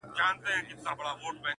چي کاته چي په کتو کي را ايسار دي